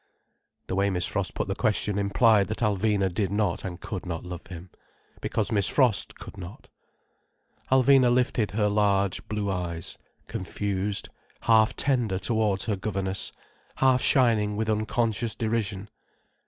The way Miss Frost put the question implied that Alvina did not and could not love him—because Miss Frost could not. Alvina lifted her large, blue eyes, confused, half tender towards her governess, half shining with unconscious derision.